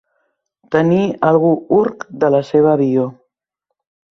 Tenir algú urc de la seva avior.